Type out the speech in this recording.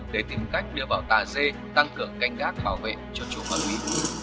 để tìm cách đưa vào tà dê tăng cường canh gác bảo vệ cho chủ hợp lý